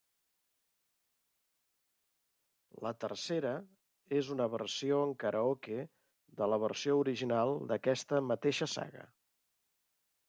La tercera és una versió en karaoke de la versió original d'aquesta mateixa saga.